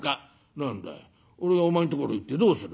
「何だい俺がお前んところ行ってどうする」。